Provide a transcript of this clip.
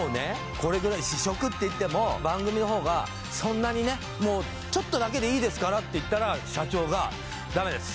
これぐらい試食っていっても番組の方がそんなにねもうちょっとだけでいいですからって言ったら社長がダメです